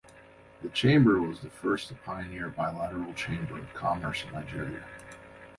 The chamber was the first to pioneer bilateral chamber of commerce in Nigeria.